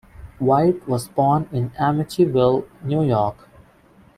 White was born in Amityville, New York.